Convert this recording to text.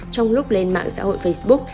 trong lúc lên mạng xã hội facebook